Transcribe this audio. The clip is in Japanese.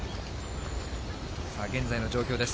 現在の状況です。